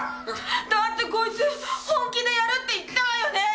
だってこいつ本気でやるって言ったわよね！